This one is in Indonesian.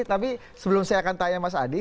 tapi sebelum saya akan tanya mas adi